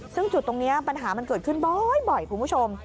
ซึ่งจุดตรงนี้ปัญหามันเกิดขึ้นบ่อยคุณผู้ชม